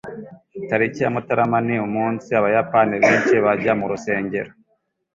Tariki ya Mutarama ni umunsi Abayapani benshi bajya mu rusengero.